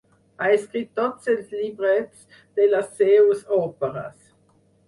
Ha escrit tots els llibrets de les seues òperes.